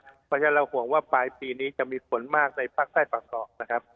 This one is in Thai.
เพราะฉะนั้นเราห่วงว่าปลายปีนี้จะมีฝนมากในภาคใต้ฝั่งเกาะนะครับ